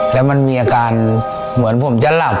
แล้วมันมีอาการเหมือนผมจะหลับ